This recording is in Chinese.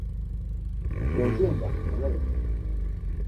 有近两成的人